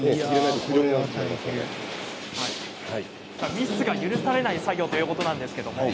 ミスが許されない作業ということです。